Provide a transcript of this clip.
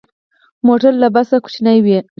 موټر له بس کوچنی وي.